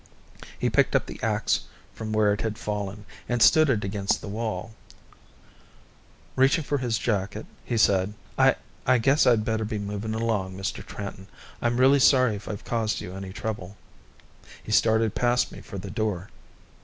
He picked up the axe from where it had fallen, and stood it against the wall. Reaching for his jacket, he said, "I I guess I'd better be moving along, Mr. Tranton. I'm really sorry if I've caused you any trouble." He started past me for the door.